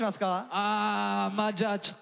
あまあじゃあちょっと。